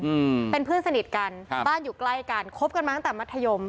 อืมเป็นเพื่อนสนิทกันครับบ้านอยู่ใกล้กันคบกันมาตั้งแต่มัธยม